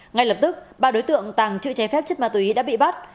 ngay lập tức ba đối tượng tàng chữ chế phép chất ma túy đã bị bắt